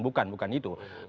bukan bukan itu